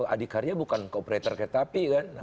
adik karya bukan operator kretapi kan